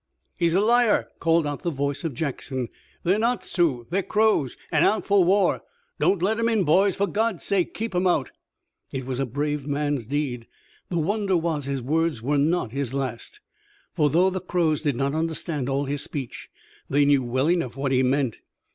"He's a liar!" called out the voice of Jackson. "They're not Sioux they're Crows, an' out for war! Don't let 'em in, boys! For God's sake, keep 'em out!" It was a brave man's deed. The wonder was his words were not his last, for though the Crows did not understand all his speech, they knew well enough what he meant.